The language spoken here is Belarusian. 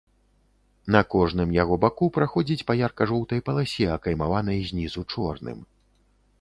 На кожным яго баку праходзіць па ярка-жоўтай паласе, акаймаванай знізу чорным.